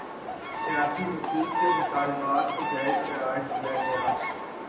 سیاسی حقوق کے مطالبات کوجائز قرار دیا گیا